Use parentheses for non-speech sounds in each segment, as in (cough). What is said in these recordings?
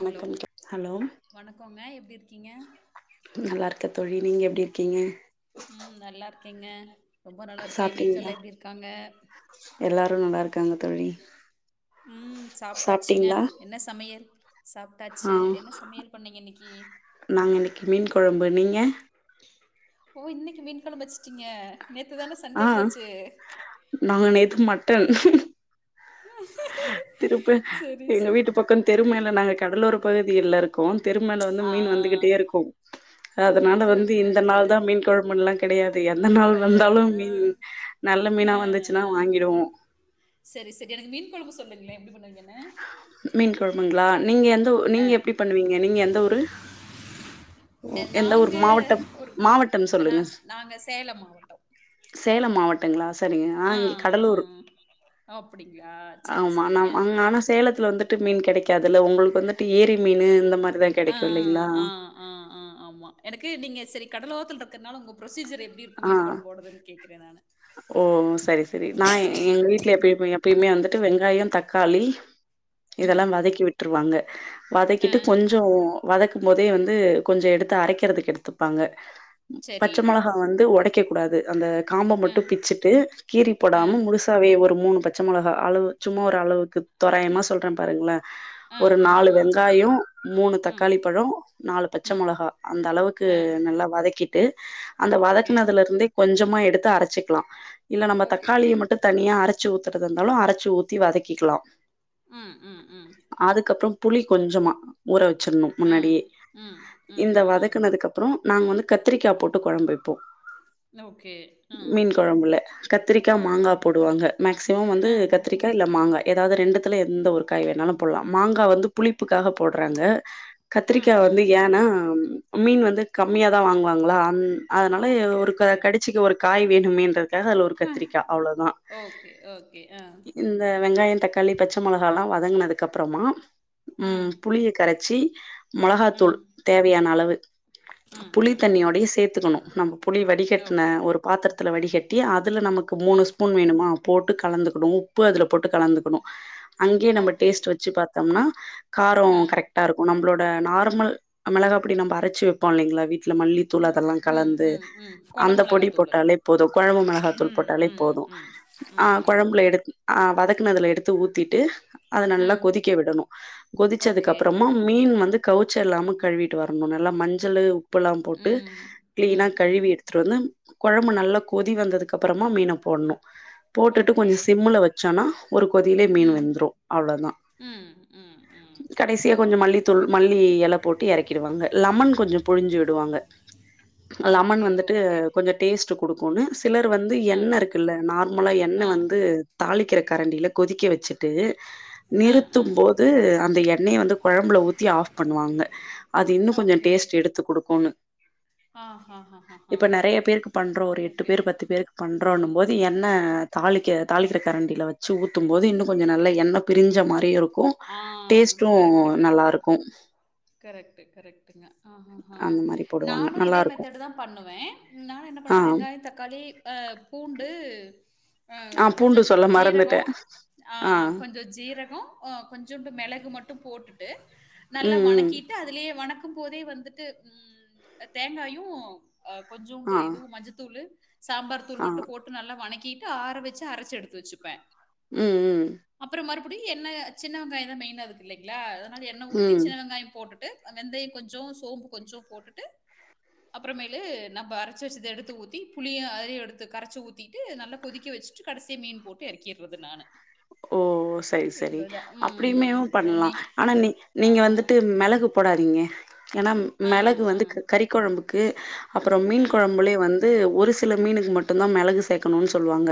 Hello வணக்கம் தோ hello வணக்கங்க எப்படி இருக்கீங்க நல்லா இருக்க தோழி நீங்க எப்படி இருக்கீங்க ம் நல்லா இருக்கேங்க ரொம்ப நல்லா இருக்கேன் வீட்ல எல்லாம் எப்படி இருக்காங்க எல்லாரும் நல்லா இருக்காங்க தோழி உம் சாப்ட்டாச்சுங்க சாப்ட்டீங்களா என்ன சமையல் ஆ சாப்ட்டாச்சு என்ன சமையல் பண்ணீங்க இன்னைக்கு நாங்க இன்னைக்கு மீன் கொழம்பு நீங்க ஓ இன்னைக்கு மீன் குழம்பு வச்சுட்டீங்க நேத்து தான ஆ சண்டே போச்சு நாங்க நேத்து மட்டன் திருப்பு செரி எங்க செரி வீட்டு பக்கன் தெருமேல நாங்க கடலோர பகுதி லர் கோ தெருமேல வந்து ஆ மீன் வந்துகிட்டே இருக்கு அதனால ஓகே வந்து ஓகே இந்த ஓகே நாள் தா மீன் கொழம்புன்லான்க் கெடையாது எந்த நாள் கெடையாது வந்தாலு ஆ மீன் நல்ல ஆ மீனா ஆ வந்துச்சுன்னா வாங்கிடுவோ செரி சட்யான இ மீன் கொழம்பு சொல்லுங்ளே எப்டி பண்ணுவிங்கண் மீன் கொழம்புங்ளா நீங்க எந்த ஊ ஆ நீங்க எப்டி பண்ணுவீங்க நீங்க எந்த ஊரு ஓ எந்த ஊர் நாங்க மாவட்டம் ஒரு மாவட்டம் நாங் சொல்லுங்கஸ் நாங்க சேலம் மாவட்டம் சேலம் மாவட்டங்ளா சரிங்க ஆ இங்கி கடலூர் ஓப்டிங்ளா ஆமா நா வாங்கானா சேலத்துல வந்துட்டு மீன் கெடைக்காதுல்ல உங்ளுக் வந்துட்டி ஏரி மீனு அந்த மாரிதான்க் ஆ ஆ ஆ ஆ ஆமா எனக்கு நீங்க சரி கடலோத்துல் ருக்கனால உங்க ப்ரொசீஜர் என் ப்டி இருக்கும் ஆ மீன் கொழம்போடதுன் கேக்குறே நானு ஓ சரி சரி நாய் எங்க வீட்ல எப்புயப்பு எப்பயுமே வந்துட்டு வெங்காயம் தக்காளி ம். இதெல்லாம் வதக்கி விட்ருவாங்க ஆ வதக்கிட்டு கொஞ்சோவு வதக்கு போதே வந்து கொஞ்சு எடுத்து அரைக்கிறதுக் எடுத்துப்பாங்க சரி. பச்ச மொளஹா து ஒடைக்கக்கூடாது அந்த காம்ப ஆ மட்டு பிச்சுட்டு கீறி ஆ போடாம முழுஸ் தாவே ஒரு மூணு பச்ச மொளகா அளவு சும்மா ஒரு அளவுக்குத் தோராய்மா சொல்ற பாருங்ள ஆ ஒரு ஆ நாலு ஆ. வெங்காயோ மூணு ம் தக்காளி பழோ நாலு பச்ச ம். மொளகா அந்த அளவுக்கு ஆ நல்லா வதக்கிட்டு அந்த வதக் ஓகே துந்தே கொஞ்சமா எடுத்து அரச்சிக்லா இல்ல நம்ப ஓகே. தக்காளிய மட்டுன் தனியா அரச்சு ஊத்துற்து இருந்தாலு அரச்சு ஊத்தி வதக்கிக்லா ம் ம் ம் அதுக்கப்றோ புளி கொஞ்சமா ஊற வச்சிர்ணு ஆ முன்னாடியே ம் ம் இந்த ம் ம். வதக்கனதுக்கப் ப்ரோ நாங்க வந்து கத்ரிக்கா போட்டு கொழம்ப் வைப்போ லோகே மீன் கொழம்புல கத்திரிக்கா மாங்கா போடுவாங்க மேக்சிமம் வந்து ஆ. கத்திரிக்கா இல்ல மாங்காய் ஏதாவ்து ரெண்டுத்துல எந்த ஒரு காய் வேணாலு போலா மாங்கா வந்து புளிப்புக்காஹ போட்றாங்க ம் கத்திரிக்கா வந்து ம் ம் ஏன்னாம் மீன் வந்து கம்மியாதா வாங்குவாங்ளா அன் அ நு ஓகே ஒரு க ஓகே கடிச்சிக்க ஒரு காய் வேணுமேன்ற காஹ லோர் அ கத்ரிக்கா அவ்ளோதா ஓகே ஓகே ஆ இந்த வெங்காயன் தக்காளி பச்ச மொளகாலா வதங்னதுக்கப்றமா ம் புளிய கரச்சி மளஹாத்தூள் ம் தேவையான அளவு ம் புளி ம் ம் தண்ணியோடையே சேத்துக்கணு நம் புளி வடிகட்ன ஓகே ஒரு பாத்திரத்துல வடிஹட்டி அதுல நமக்கு அ மூணு ஸ்பூன் வேணுமா போட்டு கலந்துக்கணு உப்பு அதுல போட்டு கலந்துக்கணு அங்யே நம்ம ஓகே டேஸ்ட் வச்சு பாத்தோம்னா காரோ அ கரக்டா இருக்கு நம்ப்ளோட நார்மல் மிளகா பொடி நம்ம அரச்சு வெப்போ இல்லைங்ளா வீட் ட்ல மல்லி தூள் ம் அதெல்லாங் ம் கலந்து ம் ம் அந்த கொழம்பு பொடி மிளகாத்தூளு போட்டாலே போது கொழம்பு மிளஹாத்தூள் ம் போட்டாலே ம் போது ம் ஆ ம் ம் கொழம்ப்ல எடுத் ஆ வதக்குனதுல எடுத்து ஊத்திட்டு அத நல்லா ம் கொதிக்க விடணு ஓகே கொதிச்சதுக்கப்றமா மீன் வந்து கவுச்ச இல்லாம கழுவிட்டு வரணு நல்லா மஞ்சளு உப்பெல்லா போட்டு ம் க்லீனா ம் ம் கழுவி எடுத்துட்டு வந்து கொழம்பு நல்லா கொதி வந்ததுக்கப்றமா மீன போட்ணு போட்டுட்டு ஓகே கொஞ்ச் சிம்ல வச்சன்னா ஒரு கொதியிலே மீன் ம் வெந்த்ரு அவ்ளோதா ம் ம் ம் கடைசியா கொஞ்ச ஓகே மல்லித்தூள் ஓகே மல்லி எல போட்டு யறக்கிறுவாங்க லமன் கொஞ்சோ புழிஞ்சிடுவாங்க லமன் ஓகே வந்துட்டு ஓகே கொஞ்சட் டேஸ்ட் குடுக்குன்னு சிலர் வந்து ஆ எண்ணருக்குல்ல நார்மலா எண்ண ஆ வந்து தாளிக்கிற கரண்டில கொதிக்க வெச்சுட் டு ஆ நிறுத்து ஆ போது அந்த எண்ணெய வந்து கொழம்புல ஊத்தி ஆஃப் பண்ணுவாங்க அது இன்னு கொஞ்சோ டேஸ்ட் எடுத்து குடுக்குன்னு ஆ ஹா ஹான் இப்ப நெறைய பேருக்கு பண்றோ ஒரு எட்டு பேரு பத்து பேருக் பண்றோன்னு போது எண்ணெ தாளிக்க தாளிக்கிற கரண்டியில வச்சு ஊத்து போது இன்னு கொஞ்சோ நல்ல எண்ணெ பிரிஞ்ச மாரியு இருக்கு ஆ டேஸ்ட்டு நல்லா இருக்கு கரெக்ட் கரெக்டங்க ஆ ஹா ஆ அந்த மாரி நா போடுவாங்க னு இதே நல்லாருக்கு மெத்தடு தா பண்ணுவே நானு என்ன ஆ பண்ணுவேணா வெங்காயோ தக்காளி பூண்டு ஆ கொஞ்சோ பூண்டு சொல்ல ஜீரகோ மறந்துட்டே ஆ கொஞ்சோ ஜீரகோ ஆ கொஞ்சோண்டு மெளகு மட்டு போட்டுட்டு நல்லா ம் வணக் ம் கிட்டு அதுலயே வணக்கு போதே வந்துட்டு ம் அ தேங்காயு ஆ கொஞ்சோண்டு ஆ இதுவு மஞ்சத்தூளு சாம்பார் தூள் ஆ மட்டு போ ட்டு நல்லா வணக்கிட்டு ஆர வச்சு அரச்சு எடுத்து வச்சுப்பே ம் ம் அப்றோ மறுபுடி எண்ணெ சின்ன வெங்காயோ தா மெயினு அதுக்குல்லைங்களா அதனால எண்ண ஊத்தி ம் சின்னவெங்காயோ போட்டுட்டு வெந்தயோ கொஞ்சோ சோம்பு கொஞ்சோ போட்டுட்டு அப்றமேலு நம்ப அரச்ச வச்சது எடுத்து ஊத்தி புளியு அதுலயே எடுத்து கரைச்சி ஊத்திட்டு நல்லா கொதிக்க வச் சி கடைசியா மீன் போட்டு இறக்கிறது நானு ஓ ஓ சரி சரி இவ்ளோதான். அப்டி ம். மேவு பண்லா ஒண்ணி ஆனா நீ ஆ, நீங்க வந்துட்டு மெளகு போடாதிங்க ஏன்னா ஆ, மெளகு ஆ, வந்து க கறி கொழம்புக்கு அப்றோ ஆ. மீன் கொழம்புலயு வந்து ஒரு சில மீனுக்கு மட்டுதா மெளகு சேக்கணுனு சொல்லுவாங்க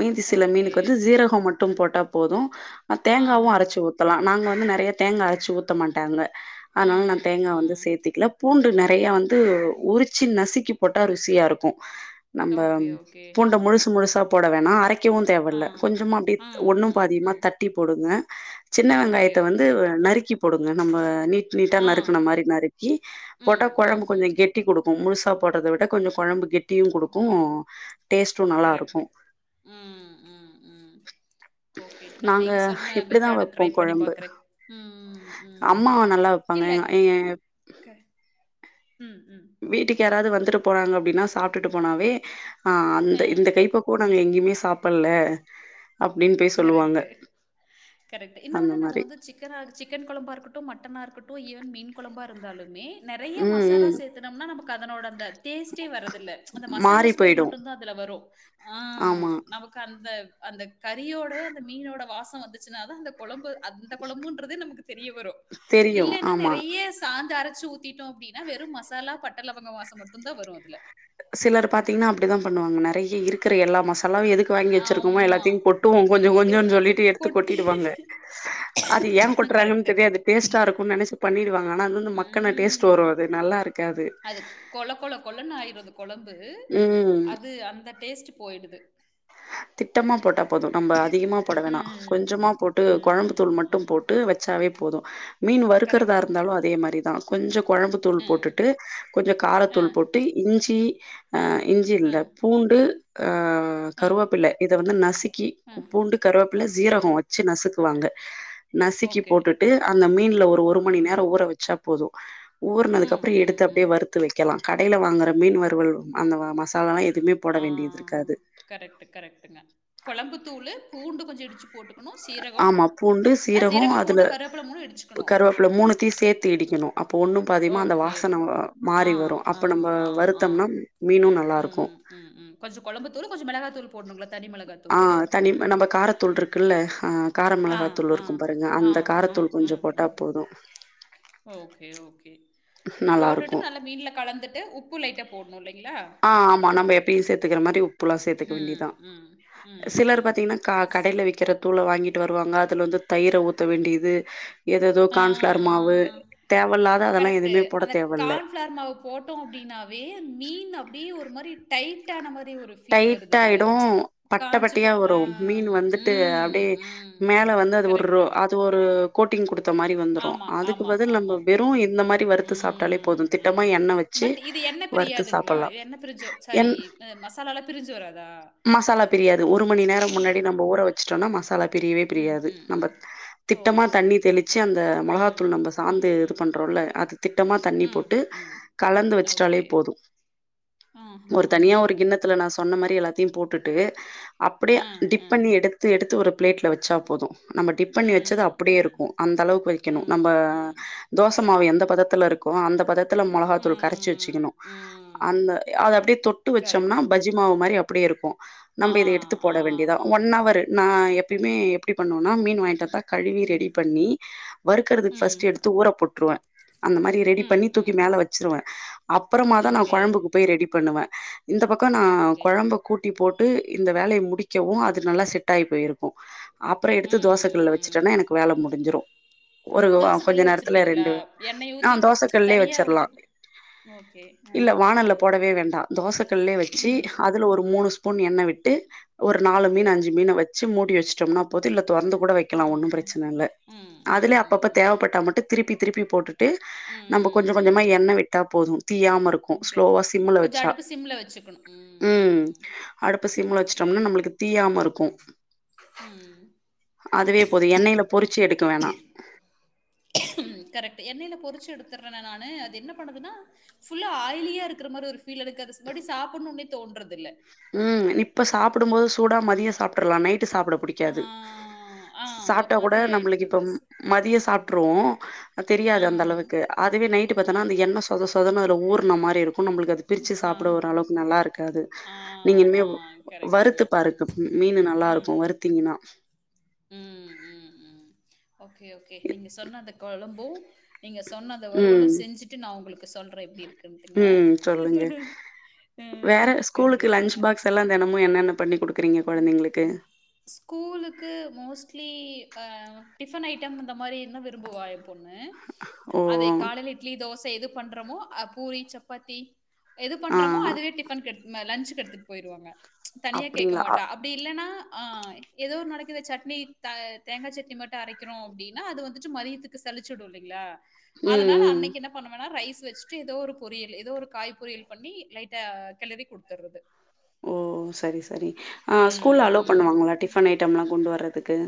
மீதி சில ஓகே. மீனுக்கு வந்து சீரகோ மட் டு போட்டா போது அ ஆ. தேங்காவு அரைச்சு ஊத்தலா நாங்க வந்து நெறைய தேங்கா அரைச்சு ஊத்த மாட்டாங்க அதனால நா ம், தேங்கா வந்து ம். சேத்துக்கல பூண்டு நெறைய வந்து உரிச் சி நசுக்கி போட்டா ருசியா இருக்கு நம்ம ஓகே, ஓகே. பூண்ட முழுசு முழுசா போட வேணா அரை வக்கவு ஆ. தேவல்ல கொஞ்சமா அப்டியே ம், ஒண்ணு ம், பாதியுமா ம். தட்டி போடுங்க சின்ன ஓகே, வெங்காயத்த வந்து ஓகே. நறுக்கி போடுங்க நம்ம நீ ட்டா நறுக்கன மாரி நறுக்கி போட்டா கொழம்பு கொஞ்சோ கெட் டி குடுக்கு முழுசா போடுறத விட கொஞ்சோ கொழம்பு கெட்டியு குடுக்கு ஓகே. டேஸ்ட்டு நல்லா இருக்கு கரெக்ட்டு. ம் ம் ம் ஓகே நா நாங்க நீங்க சொன்ன இப்டிதா மெத்தட் வெப்போ ட்ரை பண்ணி கொழம்பு பாக்குறே ம் ம் ம் ம் பங்க ஏங்க (unintelligible) க ம் ம் வீட்டுக்கு யாராவ்து வந்துட்டு போறாங்க அப்டின்னா சாப்ட்டுட்டு போனாவே ஆ அந்த ஆ இந்த கைப்பக்குவோ நாங்க எங்கேயுமே சாப்ல்ல அப்டின்னு பேச கரெக்ட் கரெக்ட் அந்த இன்னொண்ணு நம்ம மாரி வந்து சிக்கனருக் சிக்கன் கொழம்பா இருக்கட்டு மட்டனா இருக்கட்டு ஈவன் மீன் கொழம்பா இருந்தாலுமே நறைய ம் மசா லா ம் சேத்தனும்னா நமக்கு அதோட அந்த டேஸ்ட்டே வரதில்ல அந்த மசாலா மாறி ஸ்மெல் போயிடு மட்டுந்தா அதுல வரும். ஆ ஆமா நமக் கு அந்த அந்த கறியோட அந்த மீனோட வாசோ வந்துச்சுன்னா தா அந்த கொழம்பு அந் அந்த கொழம்புன்றதே நமக்கு தெரிய வரு தெரியு இல்லைன்னா ஆமா நெறைய சாந்த அரைச்சு ஊ த்திட்டோ அப்டின்னா வெறு மசாலா பட்டலவங்கவாசோ மட்டுதா வரு அதுல சிலர் பாத்தீங்கன்னா அப்டித்தா பண்ணுவாங்க நெறைய இருக் க்குற எல்லா மசாலாவு எதுக்கு வாங்கி வச்சிருக்கோமோ ஆமா. எல்லாத்தையு கொட்டுவோ கொஞ்சோ எ கொஞ்சோன் சொல்லிட்டு எடுத்து கொட்டி கொட்டிடுவாங்க அது ஏங்கொட்றாங்கன் கரெக்ட்டு. தெரியாது டேஸ்ட்டா இருக்குன் நெனைச்சு பண்ணிடுவாங்க ஆனா அது வந்து மக்குன டேஸ்ட் வரு ம். அது நல்லா இருக்காது கொழ கொழ கொழன் ஆயிரு அந்த கொழம்பு ம் அது அந்த டேஸ்ட் போயிடுது திட்டமா போட்டா போது நம்ப அதிகமா போட வேணா ம். கொஞ்சமா போட்டு ம். கொழம்புத்தூள் மட்டு ம். போட்டு வச்சாவே போது மீன் வறுக்குறதா கரெக்ட், இருந்தாலு கரெக்ட். அதே மாரி தா கொஞ்சோ கொழம்பு தூள் அ, போட்டுட்டு கொஞ்சோ அ, காரத்தூள் போட்டு இஞ்சி அ இஞ்சி அ, இல்ல பூண்டு ஆ அ, கருவேப்பில்ல இத வந்து நசுக்கி அ. பூண்டு கருவேப்பில ஓகே, சீரகோ வச்சு நசுக்குவாங்க நசுக்கி ஓகே. போட்டுட்டு அந்த மீன்ல ஒரு மணி ம். நேரோ ஊற வச்சா போது ம், ஊர்னதுக்கப்றோ ம், எடுத்து அப்டியே ம். வறுத்து வைக்கலா கடைல வாங்குற மீன் வறுவல் அந்த மசாலாலா எதுமே போட ஆ வேண்டியது இருக்காது கரெக்ட்டு கரெக்ட்டுங்க கொழம்புத்தூளு பூண்டு கொஞ்சோ இடிச்சி போட்டுக்குணு சீரகோ ஆமா பூண்டு சீரகோ அதுல பூண்டு கருவேப்புல மூணு இடிச்சுக்கணு கருவேப்பில மூணுத்தையு சேத்து இடிக்கணு அப்போ ஒண்ணு பாதியுமா அந்த ஓகே வாசன ஆ மாறி வரு ஆ அப்ப நம்ம ஆ ஆ வருத்தம்னா மீனு நல்லாருக்கு ம் கொஞ்சோ கொழம்புத்தூளு கொஞ்சோ மெளகாத்தூள் போட்ணுங்களா தனி மெளகாத்தூளு நம்ப காரத்தூள் இருக் க்குல்ல ஆ ஆ, காரமெளகாத்தூள் ஆ, இருக்கு பாருங்க ஆ, அந்த ம், காரத்தூள் கொஞ்சோ ம், போட்டா ம். போது ஓகே ஓகே போட்டுட்டு நல்லாருக்கும். நல்ல மீன்ல கலந்துட்டு உப்பு லைட்டா போட்ணு இல்லைங்ளா ஆ ஆமா நம்ப எப்பியு சேத்துக்குற மாரி உப் புலா சேத்துக்க ம், வேண்டிதுதா ம், ம், சிலர் ம். பாத்தீங்னா கா ஓகே. கடைல விக்கிற தூள வாங்கிட்டு வருவாங்க அதுல வந்து தயிர ஊத்த வேண்டியது எதேதோ ஆ கான்ஃப்ளர் மாவு தேவ இல்லாத அதெல்லா எதுமே போட தேவல்ல ஃப்ளார் மாவு போட்டோ அப்டின்னாவே மீன் அப்டே ஒரு மாரி டைட்டான மாரி ரி ஒரு ஃபீல் டைட் வருது அதுல ஆயிடு பட்ட காஞ்சு போ பட்டையா வரு அ மீன் வந்துட்டு அப்டியே ம் மேல வந்து அது ர்ரோ கரெக்ட்டுங்க. அது ஒரு கோட்டிங் குடுத் த்தோ மாரி வந்துரு ஆமா, அதுக்கு ஆமா, பதில் நம்ம ஆமா. வெறு இந்த மாரி வறுத்து சாப்ட்டாலே போது ம், திட்டமா ம். எண்ண வெச் செஞ்சி பட் இது எண்ண வறுத்து சாப்புல்லா என் மசாலாலா பிரிஞ்சு வராதா மசாலா பிரியாது ஒரு மணி நேரோ முன்னாடி நம்ம ஊற வச்சுட்டோன்னா மசாலா பிரியவே ம், பிரியாது ம், நம்ப ம். திட்டமா ஓகே. தண்ணி தெளி தெளிச்சி அந்த ம், மொளகாத்தூள் நம்ம சாந்து ம், இது ம், ம். பண்ணுறோல்ல அது திட்டமா தண்ணி ம், போட்டு ம். கலந்து வச்சுட்டாலே ஓகே. போது ஒரு தனியா ஆஹஹஹஹ. ஒரு கிண்ணத்து துல நா சொன்ன மாரி எல்லாத்தையு போட்டுட்டு அப்டே ஆ, டிப் ஆ. பண்ணி எடுத்து எடுத்து ஒரு பிளேட்ல வச் ச்சா போது நம்ம டிப் பண்ணி வச்சது ம், அப்டியே ம். இருக்கு அந்தளவுக்கு வைக்கணு நம்ப ம், ம். தோச மாவு கரெக்ட். எந்த பதத்துல இருக்கு அந்த பதத்துல மொளகாத்தூள் கரைச்சி ம், வச்சிக்கணு ம். அந்த அது அப்டியே தொட்டு வச்சம்னா கரெக்ட். ஞ்சி மாவு மாரி அப்டியே இருக்கு ஆ, நம்ப இத எடுத்து ஆ, போட வேண்டி தா ஆ. ஒன்னவரு நா எப்பியுமே கரெக்ட். எப்டி பண்ணோன்னா மீன் வாங்கிட்டு வந்தா கழுவி ம், ரெடி பண்ணி வறுக்குறதுக்கு ம், ஃபஸ்ட் எடுத்து ஊற போட்ருவவே அந்த மாரி ரெடி பண்ணி ம், தூக்கி ம். மேல வச்சுருவே அப்றமா தா நா ஓகே. கொழம்புக்கு போய் ரெடி பண்ணுவே இந்த பக்கோ நா ஓகே. கொழம்பு கூட்டி போட்டு இந்த வேலைய முடிக்கவு அது நல்லா செட்டாயி போயிருக்கு அப்றோ எடுத்து தோச ம், கல்ல ம். வச்சிட்டன்னா எனக்கு வேல முடிஞ்சிரு ஒரு வ தோச கொஞ்ச கல்லே நேரத்துலே வச்சுருவீங்களா? ரெண்டு எண்ணெய் ஆ ஊத்தி தோச கல்லே தனியா வெச்சிர்லா ஊத்தி ஓகே. இல்ல ம், ம், வானல்ல ம். போடவே வேண்டா தோச கல்லே வெச்சு அதுல ஒரு மூணு ஸ்பூன் எண்ணெ விட்டு ஒரு நாலு ஓகே. மீன் அஞ்சு மீன் வச்சு மூடி வச்சுட்டம்னா போது தொறந்து கூட வெக்கலா ஒன்னு ஆஹா. பிரச்சன இல்ல ம், ம், அதுல ம், அப்பப்ப ம். தேவப்பட்டா மட்டு திருப்பி திருப்பி போட்டு ட்டு ம், நம்ம கொஞ்ச ம், கொஞ்சமா ம். எண்ணெ விட்டா போது தீயாம இருக் ஓகே கொஞ்ச அடுப்ப சிம்ல வச்சுக்கணு ம் அடுப்ப சிம்ல வச்சிட்டம்னா நம்ளுக்கு தீயாம இருக்கு ம் அதுவே போது எண்ணெய்ல பொறிச்சு எடுக்க வேணா ம் கரெக்ட்டா என்னெயில பொரிச்சு எடுத்துறனா நானு அது என்ன பண்ணுதுனா ஃபுல்லா ஆயிலியா இருக்கிற மாரி ஒரு ஃபீல் இருக்கு அது மறுடி சாப்டணும்னே தோன்றதுல்ல ம் இப்ப சாப்டும் போது சூடா மதியோ சாப்ட்ரலா நைட்டு சாப்ட ஆ, பிடிக்காது ஆ ஒரு சாப்ட்டா கூட மாதிரி நம்மளுக்கு ஆயிடுது இப்ப அது. மதியோ சாப்ட்ருவோ ஆ தெரியாது அந்த அளவுக்கு அதுவே நைட்டு பாத்தனா அந்த ஆமா எண்ண சு சொத சொதனு அதுல ஊர்ன மாரி இருக்கும் நம்மளுக்கு அது பிரிச்சு ஆ சாப்ட ஒரளவுக்கு நல்லா இருக்காது ஆ நீங்க இனிமே ஆ கரெக்ட்டுங்க வறுத்து பாருங்க மீனு நல்லா ம் இருக்கு வருத்தீங்கன்னா ம் ம் ம் ஓகே ஓகே நீங்க சொன்ன அந்த கொழம்பு நீங்க சொன்ன அந்த வறுவளு ம். செஞ்சுட்டு நா உங்களுக்கு சொல்ற எப்டி இருக்குன்ட்டுங்க ம். சொல்லுங்க. ம் கண்டிப்பாங்க இப்போல்லா தெனமு என்னென்ன பண்ணி குடுக்குறீங்க கொழந்தைங்களுக்கு ஸ்கூல் க்கு மோஸ்ட்லி அ டிஃபன் ஐட்டம் இந்த மாரி இருந்தா விரும்புவா எ பொண்ணு ஓ அதே காலைல இட்லி தோச எது பண்றோமோ பூரி சப்பாத்தி எது ஆ பண்றமோ அதுவே டிஃபன்க்கு எடுத் லஞ்ச் சுக்கு எடுத்துட்டு போய்ருவாங்க தனியா கேக்க அப்டிங்களா மாட் அ அப்டி இல்லன்னா ஏதோ ஒரு நாளைக்கு இந்த சட்னி த தேங்கா சட்னி மட்டு அரைக் கிறோ அப்டின்னா அது வந்து மதியத்துக்கு சலிச்சுடு இல்லிங்ளா ம் அதனால ம் அன்னைக்கு என்ன பண்ணுவன்ணா ரைஸ் வச்சிட்டு ஏதோ ஒரு பொரியல் ஏதோ ஒரு காய் பொரியல் பண்ணி லைட்டா கெளரி குடுத்தறது ஓ சரி சரி ஆ ஸ்கூல்ல ம் அலோ ம் பண்ணுவாங்களா டிஃபன் ஐட்டம்லா கொண்டு வர்ரறதுக்கு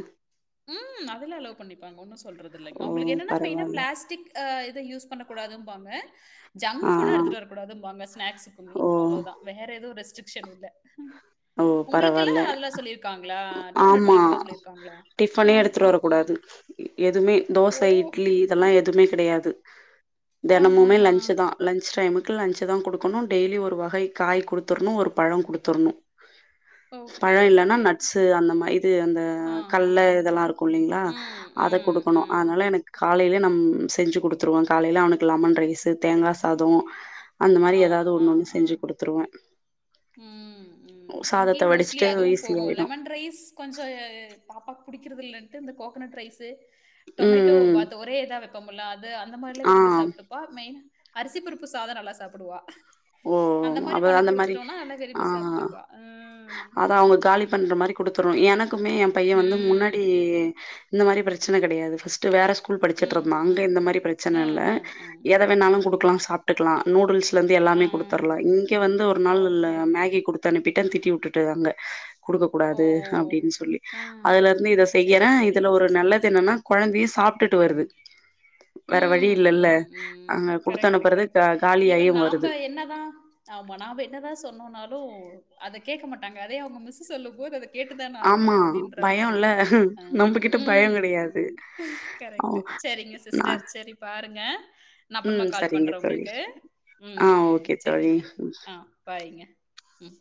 ம் அதெல்லா அலோ பண்ணிப்பாங்க ஒன்னு சொல்றதுல்ல ஓ அவங்ஙளுக்கு என்னன்னா மெய்னா பரவால்ல ப்ளஸ்டிக் அ இத யூஸ் பண்ணக்கூடாதும்பாங்க ஜங்க் ஆ ஃபூட்டு ஆ எடுத்துட்டு வரக்கூடாதும்பாங்க ஸ்நக்ஸுக்குமே ஓ அவ்ளோதா வேற ஏது ரெஸ்ட்ரிக்ஷன் இல்ல ஓ உங்களுக்கெல்லா பரவால்ல அதல்லா சொல்லிருக்காங்களா டிஃபன் எடுத்துட்டு வரகூடாது சொல்லிருக்காங்களா பண்ணி எடுத்துட்டு வரக்கூடாது எதுவமே ஓ! தோச இட்லி இந்த மாரி எதுமே கெடையாது தெனமுமே ஆஹஹா. லன்சு தா லஞ்ச்சு டைமுக்கு லஞ்சு தா குடுக்கணு டெய்லி ஒரு வகை காய் குடுத்துர்ணு ஒரு பழோ குடுத்துர்ணு ஓகே, பழோ இல்லன்னா ஓகே. நட்ஸு அந்த மா இது அந்த கல்ல ஆஹஹா. இதெல்லா இருக்கு இல்லைங்ளா ம், அத ம், குடுக்கணு ம். அதனால எனக்கு காலைல நம் செஞ்சு குடுத்துருவ காலைல அவனுக்கு லெமன் ரைஸ் தேங்கா சாதோ அந்த மாரி ஆ, எதாது ஆ, ஒன்னு ஒன்னு ஆ. செஞ்சு குடுத்துருவ ம் ம் இங்கயு மோஸ்ட்லி வடிச்சுட்டு அதுவு ஈஸி போகு ஆயிடும். லெமன் ரைஸ் கொஞ்சோ பாப்பாக் புடிக்கிறது இல்லன்ட்டு இந்த கோகனட் ரைஸ்சு ம், டொமேட்டோ ம். பாத் ஒரே இதா டோம்ல அது அந்த மாரிலா ஆ. விரும்பி சாப்ட்டுப்பா மெய்னா அரிசி பருப்பு சாதோ நல்லா சாப்புடுவா ஓ அவ அந்த மாரி ஆ விரும்பி சாப்ட்டுக்குவா. ம். அத அவங்க காலி ஆமா. பண்ற மாரி குடுத்துரு எனக் எனக்குமே எ பைய வந்து ம். முன்னாடி இந்த மாரி பிரச்சன கெடையாது ஃபஸ்ட்டு வேற ஸ்கூல் ஸ்கூல் படிச்சிட்டு ம், இருந்தா அங்க ம். இந்த மாரி பிரச்சன இல்ல ம், ம், ம். எத வேணாலு அதான், குடுக்கலா அதான். சாப்ட்டுக்கலா நூடுல்ஸ்ல இருந்து ஆ, ஆ. எல்லாமே குடுத்துர்லா இங்க வந்து ஒரு நாள் ஓகே. மகி குடுத்து அனுப்பிட்ட திட்டி உட்டுட்டாங்க குடுக்க ஓ! கூடாது அப்டின் சொல்லி ஆ. அதுல இருந்து இத சரி, செய்யறே இதுல சரிங்க ஒரு சிஸ்டர். நல்லது என்னனா கொழந்தையு சாப்ட்டுட்டு ம். வருது வேற வழி ம், இல்லல்ல ம், ம். அங்க கரெக்ட்டு, குடுத்தனுப்புறது கரெக்ட்டு. கா ஈவன் காலியாயு நாம்ப வருது என்னதான் ஆமா நாம்ப என்னதா சொன்னோன்னாலு அத கேக்க மாட்டாங்க அதயே அவுங்க மிஸ் சொல்லும் போது அது கேட்டுதான ஆகனு ஆமா அப்டின்ற மாரி பயோல்ல நம்மகிட்ட பயோ கெடையாது ம் அவ் செரிங்க நா சிஸ்டர் செரி பாருங்க நா அப்றமா ம் கால் சரிங்க பண்ற தோழி உங்களுக்கு ஆ ம் ம் ஓகே தோழி சேரிங்க ம் ஆ பாய்ங்க ம்